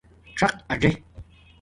څَق اَژے